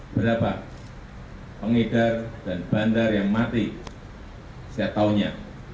berapa pengedar dan bandar yang mati setiap tahunnya